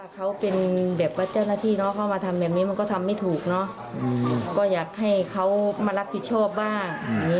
เขาเป็นแบบว่าเจ้าหน้าที่เนอะเขามาทำแบบนี้มันก็ทำไม่ถูกเนอะก็อยากให้เขามารับผิดชอบบ้าง